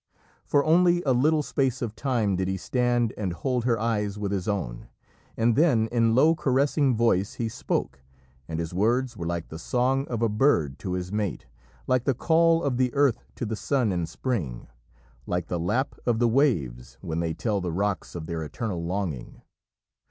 For only a little space of time did he stand and hold her eyes with his own, and then in low caressing voice he spoke, and his words were like the song of a bird to his mate, like the call of the earth to the sun in spring, like the lap of the waves when they tell the rocks of their eternal longing.